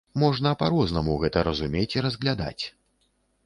Можна па-рознаму гэта разумець і разглядаць.